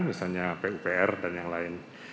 misalnya pupr dan yang lain